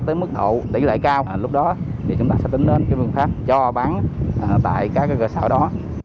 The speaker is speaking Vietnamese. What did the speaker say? tới mức độ tỷ lệ cao lúc đó thì chúng ta sẽ tính đến phương pháp cho bán tại các cơ sở đó